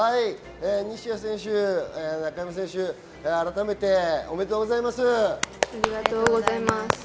西矢選手、中山選手、改めておめでとうございます。